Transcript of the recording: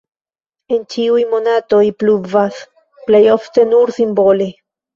En ĉiuj monatoj pluvas (plej ofte nur simbole).